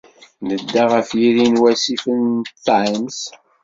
Nedda ɣef yiri n wasif n Thames.